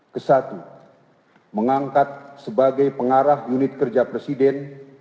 kesatu mengangkat sebagai pengarah unit kerja presiden